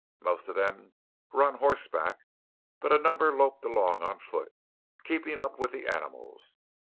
Most of them were on horseback, but a number loped along on foot, keeping up with the animals.